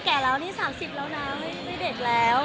กูทำที่สามสิบแล้วนะให้ไม่เด็ดแล้ว